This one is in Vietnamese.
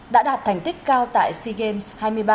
đã đạt thành tích cao tại sea games hai mươi ba